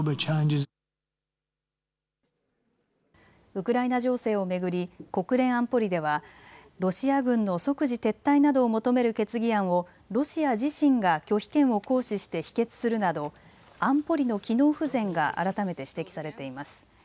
ウクライナ情勢を巡り国連安保理ではロシア軍の即時撤退などを求める決議案をロシア自身が拒否権を行使して否決するなど安保理の機能不全が改めて指摘されています。